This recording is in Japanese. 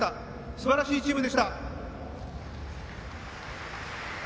すばらしいチームでした。